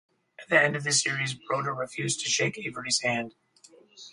At the end of the series, Brodeur refused to shake Avery's hand.